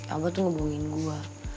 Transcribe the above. abah tuh ngebohongin gue